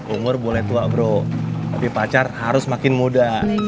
umur boleh tua bro tapi pacar harus makin muda